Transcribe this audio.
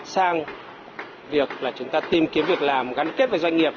sang việc là chúng ta tìm kiếm việc làm gắn kết với doanh nghiệp